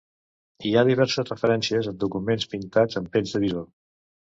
Hi ha diverses referències en documents pintats en pells de bisó.